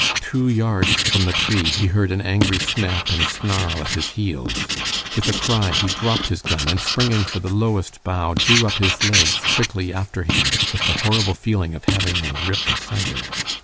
Two yards from the tree he heard an angry snap and snarl at his heels. With a cry, he dropped his gun, and springing for the lowest bough, drew up his legs quickly after him with the horrible feeling of having them ripped asunder.